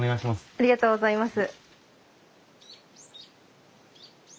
ありがとうございます。